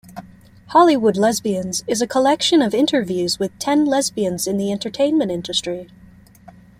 "Hollywood Lesbians" is a collection of interviews with ten lesbians in the entertainment industry.